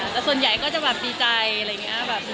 แต่ส่วนใหญ่ก็จะแบบดีใจอะไรอย่างนี้